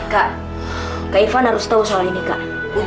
kak kak ivan harus tahu soal ini kak